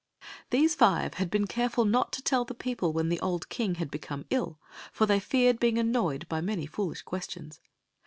These five had been careful not to tell the people when the old king had become ill, for they feared being annoyed by many foolish questions.